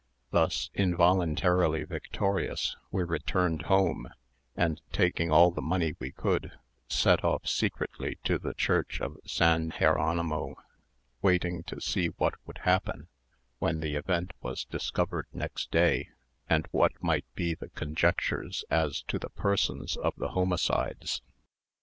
Thus involuntarily victorious, we returned home, and taking all the money we could, set off secretly to the church of San Geronimo, waiting to see what would happen when the event was discovered next day, and what might be the conjectures as to the persons of the homicides.